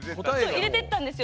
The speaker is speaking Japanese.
入れてったんですよ